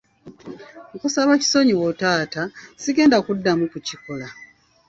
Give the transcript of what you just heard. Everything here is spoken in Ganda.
Nkusaba kisonyiwo taata, sigenda kuddamu kukikola.